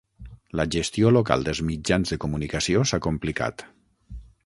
La gestió local dels mitjans de comunicació s'ha complicat.